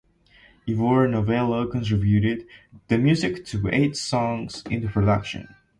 Ivor Novello contributed the music to eight songs in the production.